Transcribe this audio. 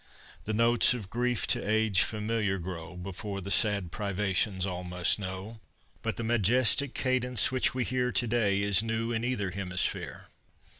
The notes of grief to age familiar grow Before the sad privations all must know; But the majestic cadence which we hear To day, is new in either hemisphere.